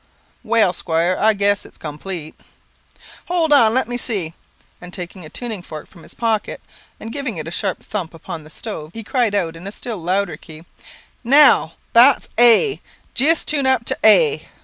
Well, squire, I guess it's complete." "Hold on; let me see," and taking a tuning fork from his pocket, and giving it a sharp thump upon the stove, he cried out in a still louder key "Now, that's A; jist tune up to A."